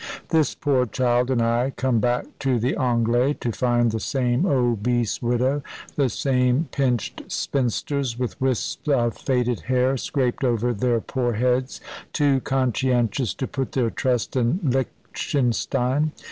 This poor child and I come back to the 'Anglais' to find the same obese widow, the same pinched spinsters with wisps of faded hair scraped over their poor heads, too conscientious to put their trust in Lichtenstein.